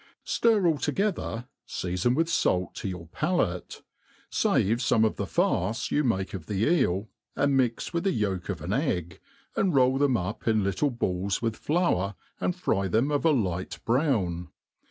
Stir '* all together, feafon with fait to your palate : ifave fome of the farce you make of the eel, and mix with the yolk of an egg, and roll them up in little balls with flour, and fry them of a light brown.